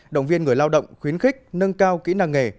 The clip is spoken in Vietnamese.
động viên người lao động khuyến khích nâng cao kỹ năng nghề